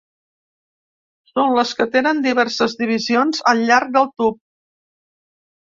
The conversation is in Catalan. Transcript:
Són les que tenen diverses divisions al llarg del tub.